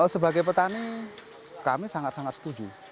sebagai petani kami sangat sangat setuju